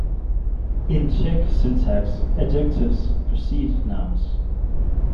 In Czech syntax, adjectives precede nouns.